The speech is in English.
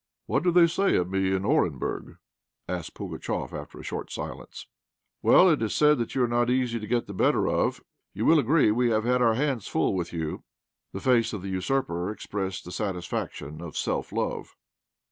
"What do they say of me in Orenburg?" asked Pugatchéf, after a short silence. "Well, it is said that you are not easy to get the better of. You will agree we have had our hands full with you." The face of the usurper expressed the satisfaction of self love.